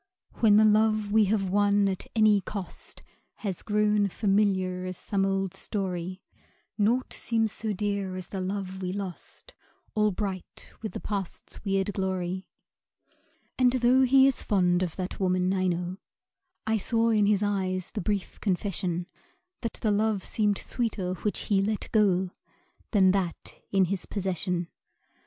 When the love we have won at any cost Has grown familiar as some old story, Naught seems so dear as the love we lost, All bright with the Past's weird glory. And tho' he is fond of that woman, I know I saw in his eyes the brief confession That the love seemed sweeter which he let go Than that in his possession.